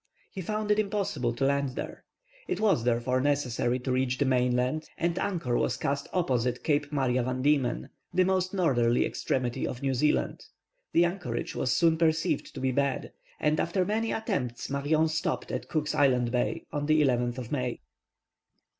He found it impossible to land there. It was therefore necessary to reach the mainland, and anchor was cast opposite Cape Maria Van Diemen, the most northerly extremity of New Zealand. The anchorage was soon perceived to be bad, and after many attempts Marion stopped at Cook's Island Bay on the 11th of May.